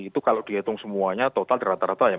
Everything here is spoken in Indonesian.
itu kalau dihitung semuanya total rata rata